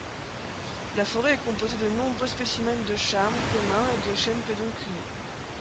La forêt est composée de nombreux spécimens de charme commun et de chêne pédonculé.